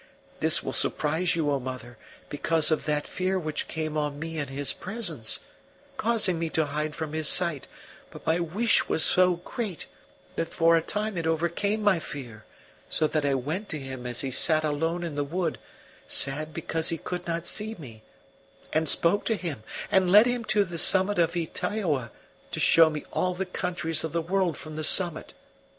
This will surprise you, O mother, because of that fear which came on me in his presence, causing me to hide from his sight; but my wish was so great that for a time it overcame my fear; so that I went to him as he sat alone in the wood, sad because he could not see me, and spoke to him, and led him to the summit of Ytaioa to show me all the countries of the world from the summit.